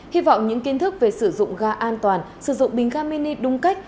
hy vọng những kiến thức về sử dụng ga an toàn sử dụng bình gamini đúng cách